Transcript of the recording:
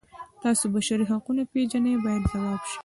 تاسو بشري حقونه پیژنئ باید ځواب شي.